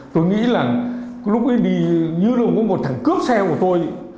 tôi nghĩ là lúc ấy đi như là có một thằng cướp xe của tôi